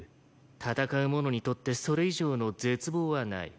戦う者にとってそれ以上の絶望はない。